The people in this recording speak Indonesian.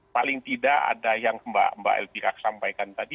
paling tidak ada yang mbak elvira sampaikan tadi